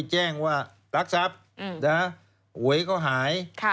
แจ้งว่าลักษัพหวยเขาหาย